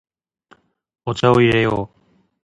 お茶を入れよう。